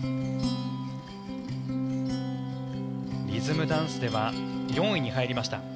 リズムダンスでは４位に入りました。